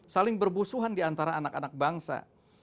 saling berbusuhan diantara anak anak bangsa